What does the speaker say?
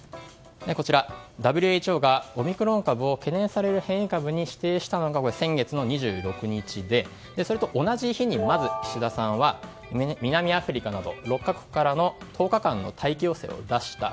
ＷＨＯがオミクロン株を懸念される変異株に指定したのが先月の２６日でそれと同じ日に、まず岸田さんは南アフリカなど６か国からの１０日間の待機要請を出した。